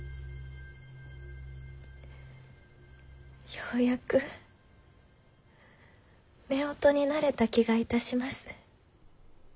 ようやく夫婦になれた気がいたします。